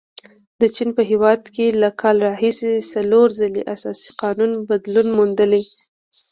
د چین په هیواد کې له کال راهیسې څلور ځلې اساسي قانون بدلون موندلی.